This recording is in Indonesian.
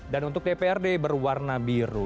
dan untuk dprd berwarna biru